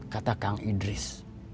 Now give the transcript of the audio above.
kata kang idris